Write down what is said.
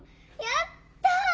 やった！